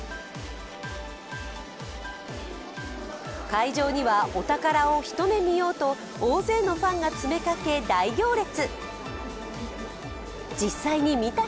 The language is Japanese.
会場には、お宝を一目見ようと大勢のファンが詰めかけ大行列。